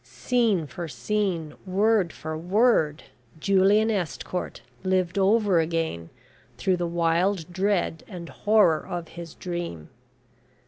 Scene for scene, word for word, Julian Estcourt lived over again through the wild dread and horror of his Dream.